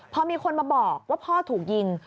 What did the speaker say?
พอมีคนมาบอกว่าพ่อถูกยิง